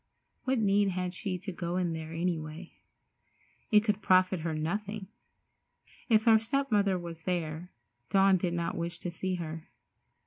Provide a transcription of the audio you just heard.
What need had she to go in there, any way? It could profit her nothing. If her step mother was there, Dawn did not wish to see her.